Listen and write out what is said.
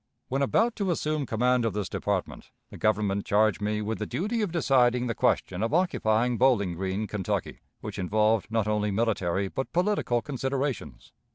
"When about to assume command of this department, the Government charged me with the duty of deciding the question of occupying Bowling Green, Kentucky, which involved not only military but political considerations.